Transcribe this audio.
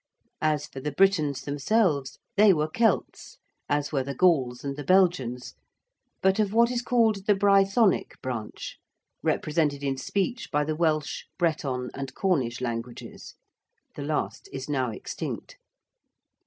As for the Britons themselves they were Celts, as were the Gauls and the Belgians, but of what is called the Brythonic branch, represented in speech by the Welsh, Breton and Cornish languages (the last is now extinct).